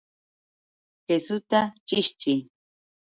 ¡Kisuta chishchiy!